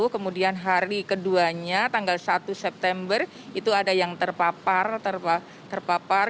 kemudian hari keduanya tanggal satu september itu ada yang terpapar